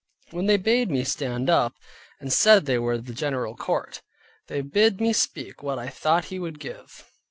Then they bade me stand up, and said they were the General Court. They bid me speak what I thought he would give.